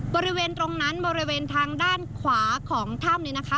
บริเวณตรงนั้นบริเวณทางด้านขวาของถ้ำเนี่ยนะคะ